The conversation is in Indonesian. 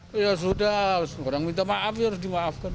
tidak orang minta maaf ya harus dimaafkan